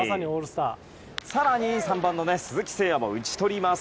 更に３番の鈴木誠也も打ち取ります。